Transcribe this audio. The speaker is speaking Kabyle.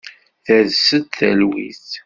Ters-d talwit.